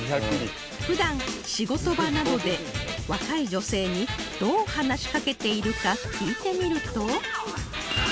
普段仕事場などで若い女性にどう話しかけているか聞いてみると